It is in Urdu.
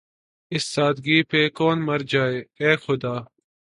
اس سادگی پہ کون مر جائے‘ اے خدا!